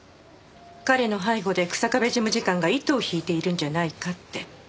彼の背後で日下部事務次官が糸を引いているんじゃないかって。